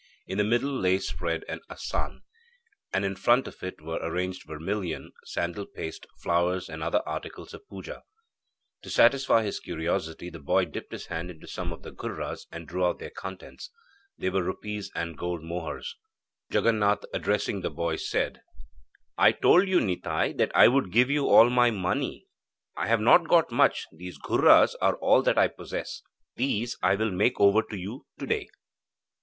In the middle lay spread an assan, and in front of it were arranged vermilion, sandal paste, flowers, and other articles of puja. To satisfy his curiosity the boy dipped his hand into some of the ghurras, and drew out their contents. They were rupees and gold mohurs. A water pot holding about three gallons of water. A prayer carpet. Jaganath, addressing the boy, said: 'I told you, Nitai, that I would give you all my money. I have not got much, these ghurras are all that I possess. These I will make over to you to day.'